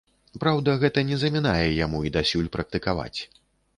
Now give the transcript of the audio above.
Праўда, гэта не замінае яму і дасюль практыкаваць.